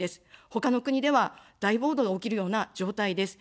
ほかの国では大暴動が起きるような状態です。